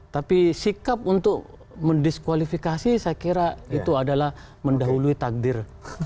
tapi sikap untuk mendiskualifikasi saya kira itu adalah mendahului takdir